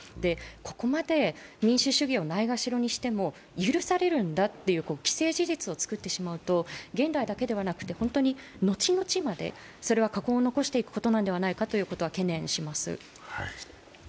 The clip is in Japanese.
ここまで民主主義をないがしろにしても許されるんだという既成事実を作ってしまうと、現代だけではなく後々までそれは禍根を残していくことなのではないかと懸念します。